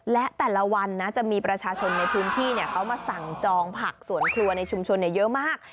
และแต่ละวันนะจะมีประชาชนในพื้นที่เขามาสั่งจองผักสวนครัวในชุมชนเยอะมาก